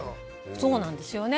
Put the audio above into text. そうなんですよね。